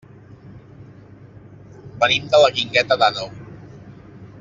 Venim de la Guingueta d'Àneu.